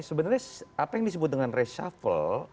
sebenarnya apa yang disebut dengan reshuffle